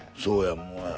そうや。